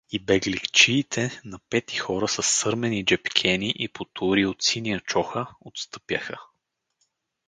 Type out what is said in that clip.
И бегликчиите, напети хора със сърмени джепкени и потури от синя чоха, отстъпяха.